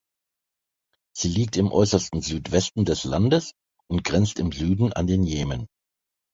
Sie liegt im äußersten Südwesten des Landes und grenzt im Süden an den Jemen.